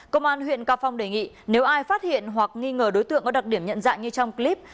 công an huyện cao phong đề nghị nếu ai phát hiện hoặc nghi ngờ đối tượng có đặc điểm nhận dạng như trong clip